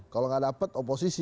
kalau tidak dapat oposisi